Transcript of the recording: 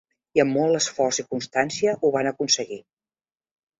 I amb molt esforç i constància ho van aconseguir.